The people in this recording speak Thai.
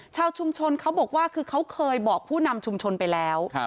ชาวชุมชนเขาบอกว่าคือเขาเคยบอกผู้นำชุมชนไปแล้ว